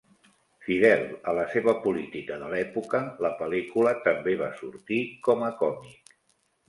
Fidel a la seva política de l'època, la pel·lícula també va sortir com a còmic.